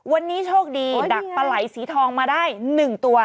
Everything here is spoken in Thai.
วันนี้โชคดีดักปลาไหล่สีทองมาได้๑ตัว